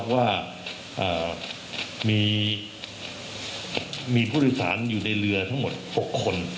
ว่ามีผู้โดยสารอยู่ในเรือทั้งหมด๖คน